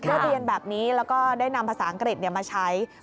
เพื่อเรียนแบบนี้แล้วก็ได้นำภาษาอังกฤษมาใช้